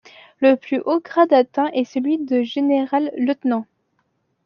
Le plus haut grade atteint est celui de Generalleutnant.